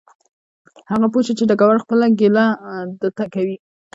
هغه پوه شو چې ډګروال خپله ګیله ده ته کوي